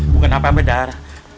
bukan apa apa dar